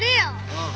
うん。